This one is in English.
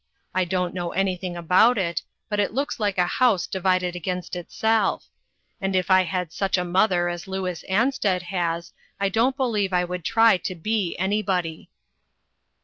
I don't know anything about it, but it looks like a house divided against itself. If I had such a mother as Louis Ansted has, I don't believe I would try to be anybody."